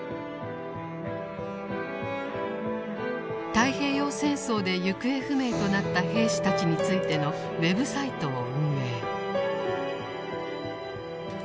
太平洋戦争で行方不明となった兵士たちについてのウェブサイトを運営。